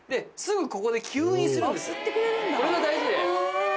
これが大事で。